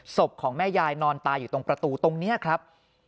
ศพของแม่ยายนอนตายอยู่ตรงประตูตรงนี้ครับ